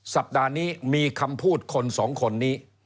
สัปดาห์นี้มีคำพูดคนสองคนนี้